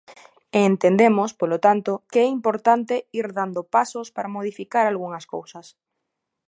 E entendemos, polo tanto, que é importante ir dando pasos para modificar algunhas cousas.